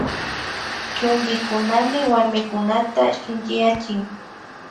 Chumpikunami warmikunata shinchiyachin